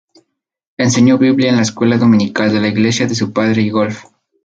Enseño biblia en la escuela dominical de la iglesia de su padre y golf.